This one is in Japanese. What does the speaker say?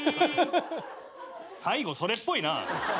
最後それっぽいな！